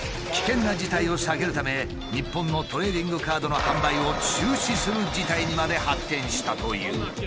危険な事態を避けるため日本のトレーディングカードの販売を中止する事態にまで発展したという。